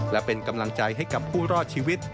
และเป็นกำลังใจให้กับผู้รอดชีวิต